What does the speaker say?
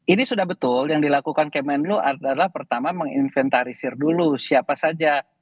ini sudah betul yang dilakukan kemenlu adalah pertama menginventarisir dulu siapa saja